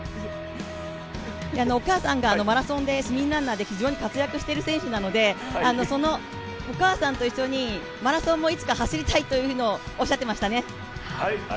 お母さんがマラソンで市民ランナーで非常に活躍している選手なのでそのお母さんと一緒にマラソンもいつか走りたいというのをおっしゃっていましたね。